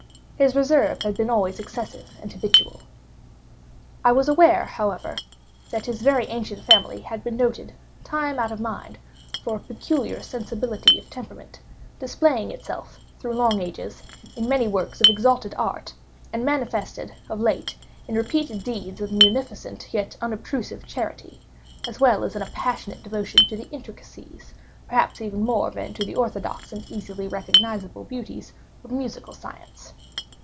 His reserve had been always excessive and habitual. I was aware, however, that his very ancient family had been noted, time out of mind, for a peculiar sensibility of temperament, displaying itself, through long ages, in many works of exalted art, and manifested, of late, in repeated deeds of munificent yet unobtrusive charity, as well as in a passionate devotion to the intricacies, perhaps even more than to the orthodox and easily recognisable beauties, of musical science.